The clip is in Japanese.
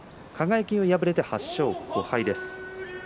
輝は敗れて８勝５敗です。